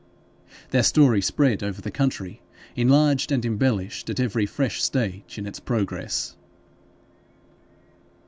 Their story spread over the country, enlarged and embellished at every fresh stage in its progress.